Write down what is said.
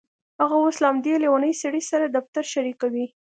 هغه اوس له همدې لیونۍ سړي سره دفتر شریکوي